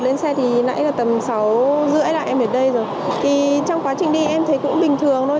lên xe thì nãy là tầm sáu rưỡi là em ở đây rồi thì trong quá trình đi em thấy cũng bình thường thôi